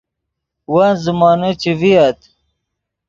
ون زیمونے چے ڤییت